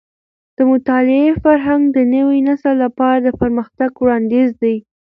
د مطالعې فرهنګ د نوي نسل لپاره د پرمختګ وړاندیز دی.